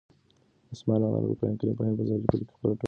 عثمان رض د قرآن کریم په حفظ او لیکلو کې خپله ټوله انرژي وکاروله.